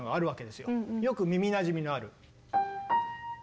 よく耳なじみのある。